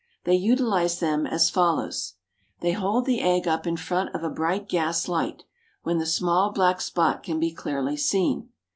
They utilise them as follows: They hold the egg up in front of a bright gas light, when the small black spot can be clearly seen.